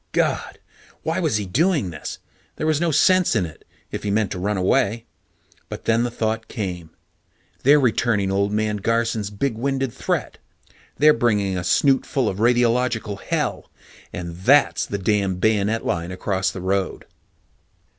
God! Why was he doing this? There was no sense in it, if he meant to run away. But then the thought came: they're returning Old Man Garson's big winded threat. They're bringing a snootful of radiological hell, and that's the damned bayonet line across the road.